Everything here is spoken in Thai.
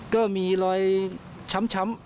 ก็มีรอยช้ำ